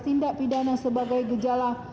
tindak pidana sebagai gejala